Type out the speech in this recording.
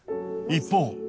一方